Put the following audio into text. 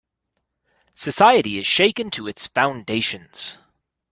Society is shaken to its foundations.